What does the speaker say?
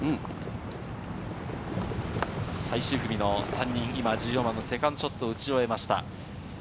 最終組の３人が１４番のセカンドショットを打ち終えました。